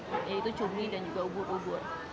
yaitu cumi dan juga ubur ubur